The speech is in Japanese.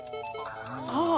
ああ。